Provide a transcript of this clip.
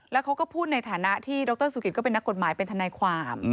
แล้วเขาก็พูดในฐานะที่ดรสุกิตก็เป็นนักกฎหมายเป็นทนายความ